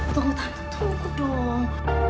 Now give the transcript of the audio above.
tunggu tante tunggu dong